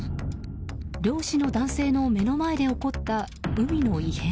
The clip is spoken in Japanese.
漁師の男性の目の前で起こった海の異変。